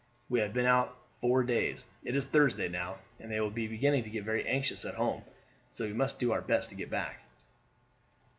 We have been out four days. It is Thursday now, and they will be beginning to get very anxious at home, so we must do our best to get back."